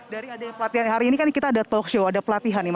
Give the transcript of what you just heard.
dari adanya pelatihan hari ini kan kita ada talk show ada pelatihan ya